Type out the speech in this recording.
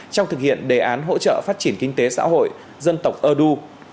trong thực hiện đề án hỗ trợ phát triển kinh tế xã hội dân tộc ơ đu